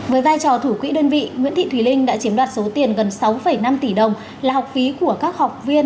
với vai trò thủ quỹ đơn vị nguyễn thị thùy linh đã chiếm đoạt số tiền gần sáu năm tỷ đồng là học phí của các học viên